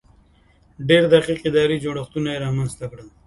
ډېر دقیق اداري جوړښتونه یې رامنځته کړل.